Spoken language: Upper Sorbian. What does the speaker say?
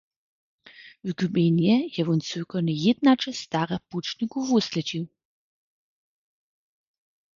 W gmejnje je wón cyłkownje jědnaće starych pućnikow wuslědźił.